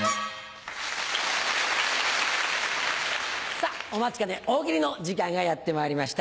さぁお待ちかね大喜利の時間がやってまいりました。